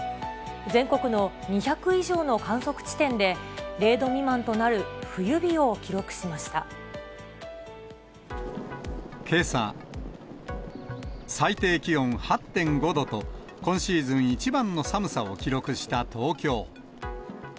全国の２００以上の観測地点で、０度未満となる冬日を記録しましけさ、最低気温８．５度と、今シーズン一番の寒さを記録した東京。